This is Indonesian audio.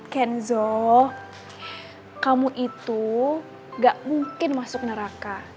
kenzo kamu itu gak mungkin masuk neraka